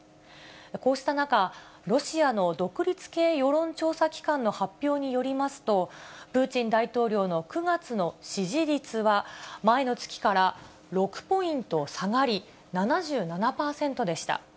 こうした中、ロシアの独立系世論調査機関の発表によりますと、プーチン大統領の９月の支持率は、前の月から６ポイント下がり、７７％でした。